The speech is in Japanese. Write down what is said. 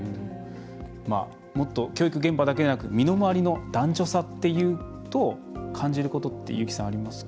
もっと教育現場だけでなく身の回りの男女差というと感じることって優木さん、ありますか？